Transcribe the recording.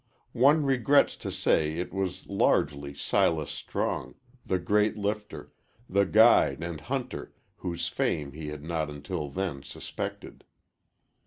One regrets to say it was largely Silas Strong the great lifter, the guide and hunter whose fame he had not until then suspected.